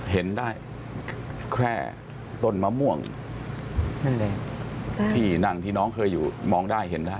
เห็นได้แค่ต้นมะม่วงนั่นแหละใช่ที่นั่งที่น้องเคยอยู่มองได้เห็นนะฮะ